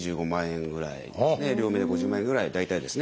両目で５０万円ぐらい大体ですね。